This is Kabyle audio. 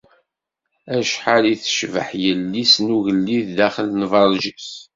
Acḥal i tecbeḥ yelli-s n ugellid daxel n lberǧ-is.